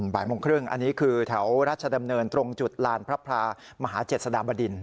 บ่ายโมงครึ่งอันนี้คือแถวราชดำเนินตรงจุดลานพระพรามหาเจษฎาบดิน